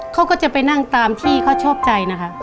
เขาก็จะไปนั่งตามที่เขาชอบใจนะคะ